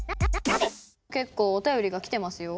結構お便りが来てますよ。